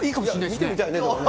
見てみたいね。